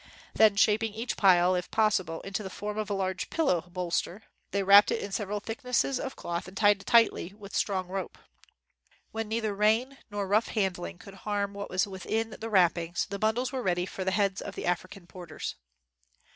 Then shaping each pile, if possible, into the form of a large pillow bolster, they wrapped it in several thick nesses of cloth and tied it tightly with strong rope. When neither rain nor rough hand ling could harm what was within the wrap pings, the bundles were ready for the heads of the African porters.